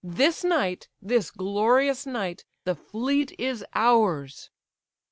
This night, this glorious night, the fleet is ours!"